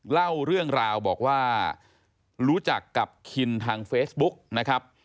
เล่าเรื่องราวบอกว่ารู้จักกับคินทางเฟซบุ๊กนะครับ